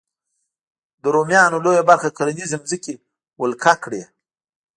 د رومیانو لویه برخه کرنیزې ځمکې ولکه کړې.